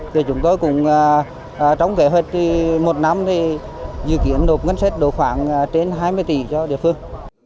thì chúng tôi cũng trong kế hoạch một năm thì dự kiến đột ngân sách đổ khoảng trên hai mươi tỷ cho địa phương